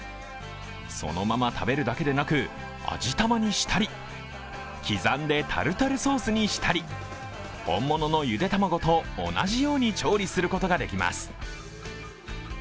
そのまま食べるだけでなく、味玉にしたり、刻んでタルタルソースにしたり本物のゆで卵と同じように調理することができます。